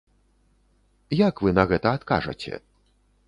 Як вы на гэта адкажаце?